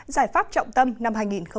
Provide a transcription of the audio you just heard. giải pháp trọng tâm năm hai nghìn một mươi chín